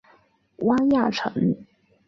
汪亚尘。